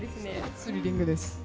スリリングですね。